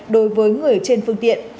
đối với người ở trên phương tiện